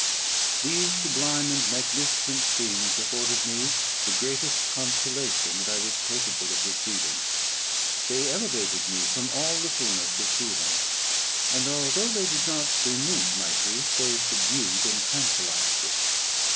These sublime and magnificent scenes afforded me the greatest consolation that I was capable of receiving. They elevated me from all littleness of feeling; and although they did not remove my grief, they subdued and tranquillised it.